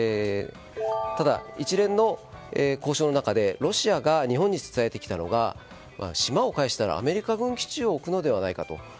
ただ、一連の交渉の中でロシアが日本に伝えてきたのが島を返したらアメリカ軍基地を置くのではないかと。